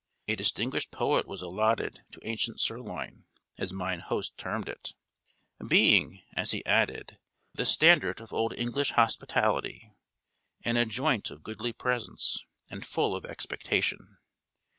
A distinguished post was allotted to "ancient sirloin," as mine host termed it; being, as he added, "the standard of old English hospitality, and a joint of goodly presence, and full of expectation."